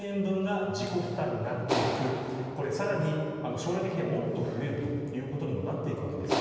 将来的には、もっと増えるということにもなっていきます。